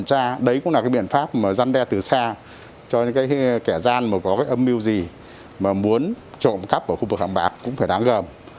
các biện pháp mà dân đe từ xa cho những kẻ gian có âm mưu gì mà muốn trộm cắp ở khu vực hàng bạc cũng phải đáng gờm